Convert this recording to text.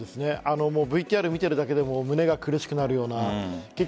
ＶＴＲを見ているだけでも胸が苦しくなるような。